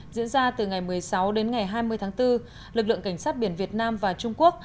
diễn ra từ ngày một mươi sáu đến ngày hai mươi tháng bốn lực lượng cảnh sát biển việt nam và trung quốc